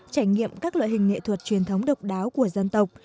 trải nghiệm các loại hình nghệ thuật truyền thống độc đáo của dân tộc